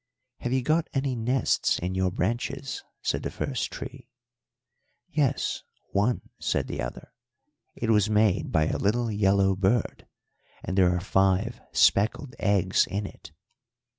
"'Have you got any nests in your branches?' said the first tree. "'Yes, one,' said the other. 'It was made by a little yellow bird, and there are five speckled eggs in it.'